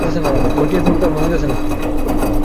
তিনি দক্ষিণ পশ্চিম লন্ডন, ইংল্যান্ডে প্রতিপালিত হন।